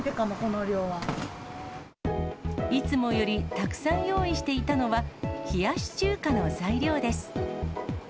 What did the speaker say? いつもよりたくさん用意していたのは、冷やし中華の材料です。